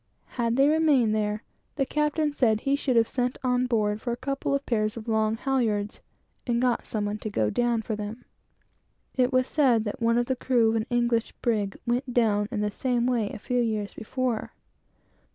Had they remained there, the captain said he should have sent on board for a couple of pairs of long halyards, and got some one to have gone down for them. It was said that one of the crew of an English brig went down in the same way, a few years before.